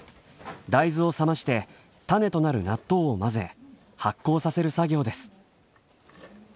大豆を冷ましてタネとなる納豆を混ぜ発酵させる作業です。